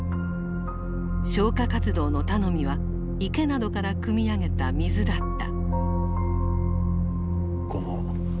消火活動の頼みは池などからくみ上げた水だった。